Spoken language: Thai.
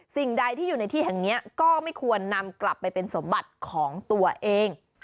สิ่งใดที่อยู่ในที่แห่งนี้ก็ไม่ควรนำกลับไปเป็นสมบัติของตัวเอง